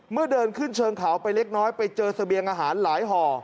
เดินขึ้นเชิงเขาไปเล็กน้อยไปเจอเสบียงอาหารหลายห่อ